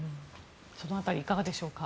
その辺りいかがでしょうか？